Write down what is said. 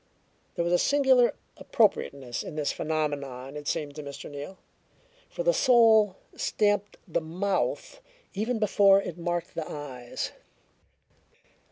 There was a singular appropriateness in this phenomenon, it seemed to Mr. Neal, for the soul stamped the mouth even before it marked the eyes.